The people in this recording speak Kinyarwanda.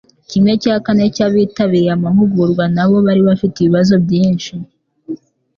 Kimwe cya kane cy'abitabiriye amahugurwa na bo bari bafite ibibazo byishi